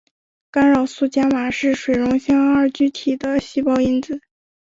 干扰素伽玛是水溶性二聚体的细胞因子。